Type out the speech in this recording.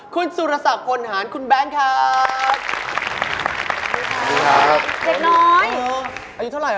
คุณสุรสะพนฮารคุณแบ้งค์ค่าาาาาา